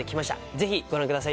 ぜひご覧ください